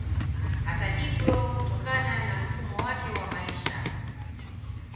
Hata hivyo kutokana na mfumo wake wa maisha